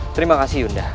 terima kasih yunda